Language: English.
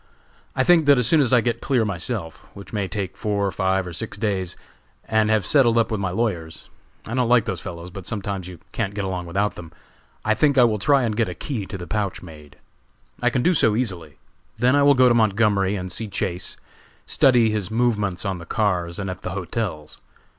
I think that as soon as I get clear myself which may take four, five, or six days and have settled up with my lawyers I don't like those fellows, but sometimes you can't get along without them I think I will try and get a key to the pouch made; I can do so easily. Then I will go to Montgomery and see Chase, study his movements on the cars and at the hotels.